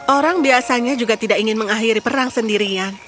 orang biasanya juga tidak ingin mengakhiri perang sendirian